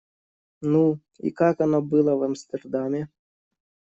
Ну, и как оно было в Амстердаме?